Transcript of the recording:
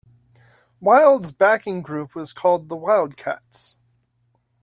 Wilde's backing group was called the Wildcats.